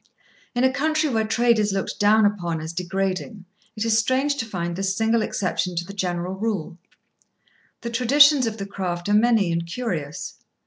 In a country where trade is looked down upon as degrading, it is strange to find this single exception to the general rule. The traditions of the craft are many and curious.